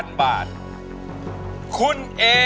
เอาได้โอเค